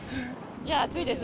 いや、暑いです。